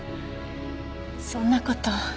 そんな事。